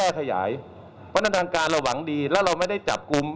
เพราะถือว่าคุณไม่มีความรับผิดชอบต่อสังคม